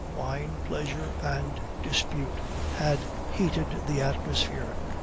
Wine, pleasure, and dispute had heated the atmosphere.